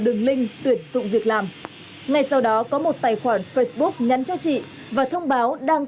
đường link tuyển dụng việc làm ngay sau đó có một tài khoản facebook nhắn cho chị và thông báo đang